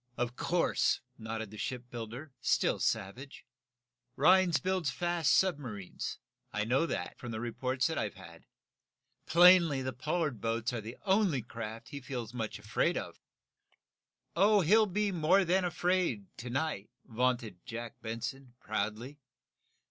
"Of course," nodded the shipbuilder, still savage. "Rhinds builds fast submarines. I know that, from the reports I've had. Plainly, the Pollard boats are the only craft he feels much afraid of." "He'll be more than afraid, to night," vaunted Jack Benson, proudly.